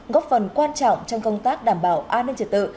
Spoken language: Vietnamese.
góp phần quan trọng trong công tác đảm bảo an ninh trật tự